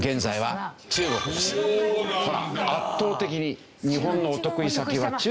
圧倒的に日本のお得意先は中国。